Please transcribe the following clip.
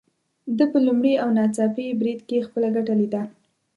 ده په لومړي او ناڅاپي بريد کې خپله ګټه ليده.